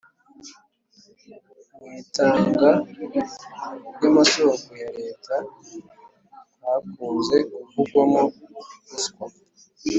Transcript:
mwitanga ryamasoko ya leta hakunze kuvugwa mo ruswa